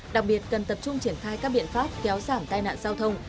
đặc biệt cần tập trung triển khai các biện pháp kéo giảm tai nạn giao thông